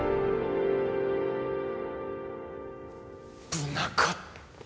ぶなかった！